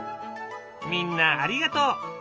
みんなありがとう！